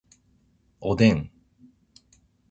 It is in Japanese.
おでん